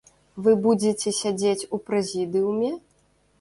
Вы будзеце сядзець у прэзідыуме?